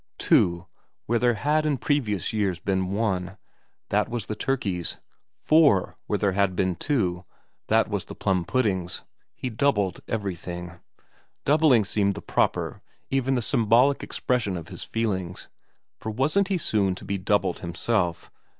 Two where there had in previous years been one, that was the turkeys ; four where there had been two, that was the plum puddings. He doubled every thing. Doubling seemed the proper, even the symbolic expression of his feelings, for wasn't he soon going to be doubled himself